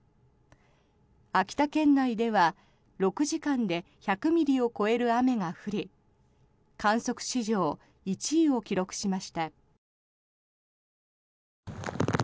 秋田県内では６時間で１００ミリを超える雨が降り観測史上１位を記録しました。